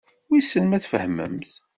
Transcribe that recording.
Wissen ma tfehmemt.